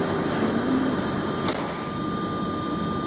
HARMONIOUS COLOURING. 885.